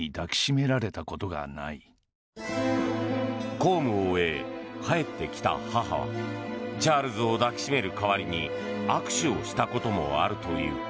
公務を終え、帰ってきた母はチャールズを抱き締める代わりに握手をしたこともあるという。